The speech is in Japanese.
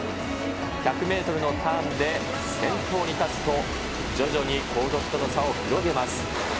１００メートルのターンで先頭に立つと、徐々に後続との差を広げます。